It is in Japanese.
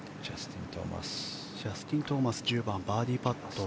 ジャスティン・トーマスの１０番、バーディーパット。